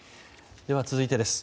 では、続いてです。